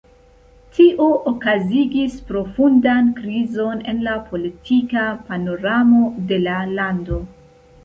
Tio okazigis profundan krizon en la politika panoramo de la lando.